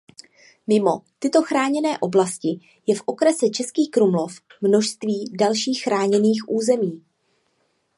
Mimo tyto chráněné oblasti je v okrese Český Krumlov množství dalších chráněných území.